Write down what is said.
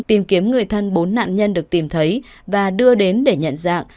tìm kiếm người thân bốn nạn nhân được tìm thấy và đưa đến để nhận dạng